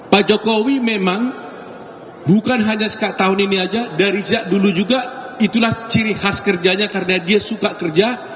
pak jokowi memang bukan hanya tahun ini aja dari sejak dulu juga itulah ciri khas kerjanya karena dia suka kerja